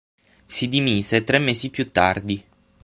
Si dimise tre mesi più tardi.